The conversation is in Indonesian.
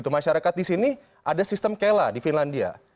masyarakat disini ada sistem kela di finlandia